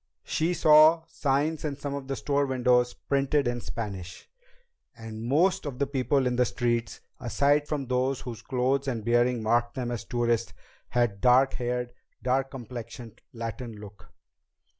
She saw signs in some of the store windows printed in Spanish, and most of the people in the streets, aside from those whose clothes and bearing marked them as tourists, had a dark haired, dark complexioned Latin look.